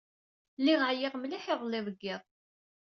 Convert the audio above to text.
Lliɣ ɛyiɣ mliḥ iḍelli deg yiḍ.